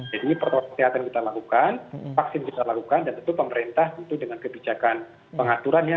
jadi ini protokol kesehatan kita lakukan vaksin kita lakukan dan tentu pemerintah tentu dengan kebijakan pengaturan ya